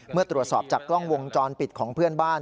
เมื่อตรวจสอบจากกล้องวงจรปิดของเพื่อนบ้าน